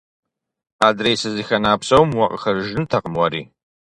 Адрей сызыхэна псом уакъыхэжыжынтэкъым уэри.